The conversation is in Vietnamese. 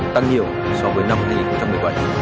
tăng nhiều so với năm hai nghìn một mươi bảy